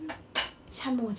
しゃもじ。